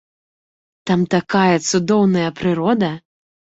Там такая цудоўная прырода!